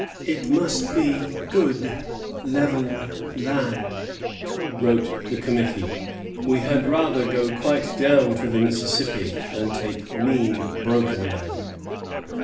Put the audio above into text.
It must be "good level land," wrote the Committee; "we had rather go quite down to the Mississippi than take mean, broken land."